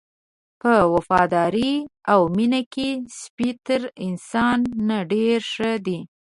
په وفادارۍ او مینه کې سپی تر انسان نه ډېر ښه دی.